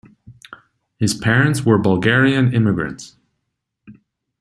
His parents were Bulgarian immigrants.